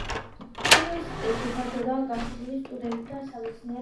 უნივერსიტეტში ფართოდაა გაშლილი სტუდენტთა სამეცნიერო მუშაობა.